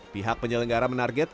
pihak penyelenggara menarget